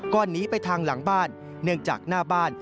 หนีไปทางหลังบ้านเนื่องจากหน้าบ้าน